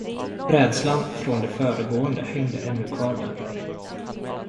Rädslan från det föregående hängde ännu kvar där.